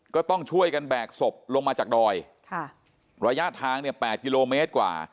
ก็ต้องช่วยกันแบกศพลงมาจากดอยค่ะระยะทางเนี่ย๘กิโลเมตรกว่า